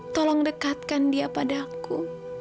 tolong dekatkan dia pada aku